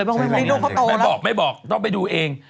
บัตรเต็มพวกพี่นั่งไม่บอกไม่บอกต้องไปดูเอง